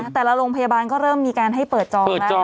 แต่ละโรงพยาบาลก็เริ่มมีการให้เปิดจองแล้ว